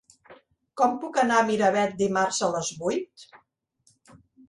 Com puc anar a Miravet dimarts a les vuit?